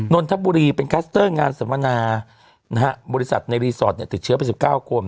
นนทบุรีเป็นคลัสเตอร์งานสัมมนาบริษัทในรีสอร์ทติดเชื้อไป๑๙คน